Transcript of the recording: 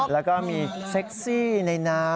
แล้วก็มีเซ็กซี่ในน้ำ